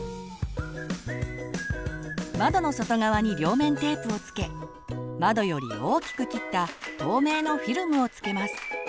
窓の外側に両面テープをつけ窓より大きく切った透明のフィルムをつけます。